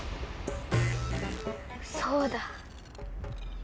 そうだ！